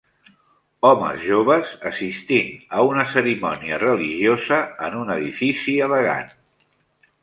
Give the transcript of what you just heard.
Homes joves assistint a una cerimònia religiosa en un edifici elegant.